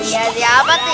ya siapa tuh ya